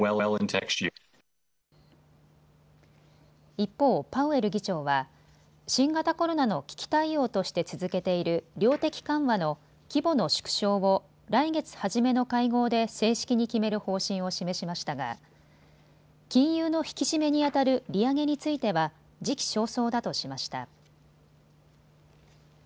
一方、パウエル議長は新型コロナの危機対応として続けている量的緩和の規模の縮小を来月初めの会合で正式に決める方針を示しましたが金融の引き締めにあたる利上げについては時期尚早だとしました。